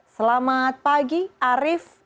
selamat pagi arief